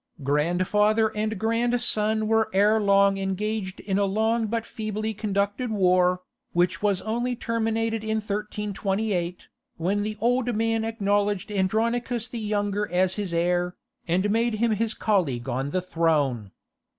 Grandfather and grandson were ere long engaged in a long but feebly conducted war, which was only terminated in 1328, when the old man acknowledged Andronicus the younger as his heir, and made him his colleague on the throne.